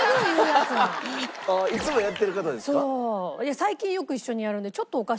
最近よく一緒にやるね。